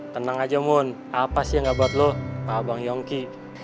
tenang aja moon apa sih yang gak buat lo pak bang yongki